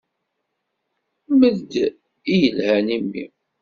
Mel-d i yelhan i mmi.